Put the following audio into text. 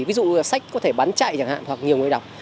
ví dụ là sách có thể bắn chạy chẳng hạn hoặc nhiều người đọc